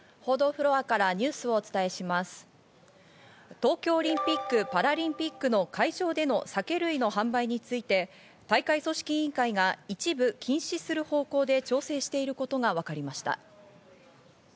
東京オリンピック・パラリンピックの会場での酒類の販売について大会組織委員会が一部禁止する方向で調整していることがわかりました。